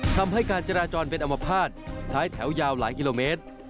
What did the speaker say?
ทำให้การจราจรเป็นอมภาษณ์ท้ายแถวยาวหลายกิโลเมตร